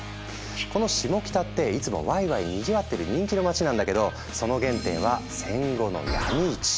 このシモキタっていつもワイワイにぎわってる人気の街なんだけどその原点は戦後の闇市。